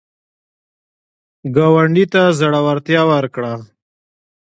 ګاونډي ته زړورتیا ورکړه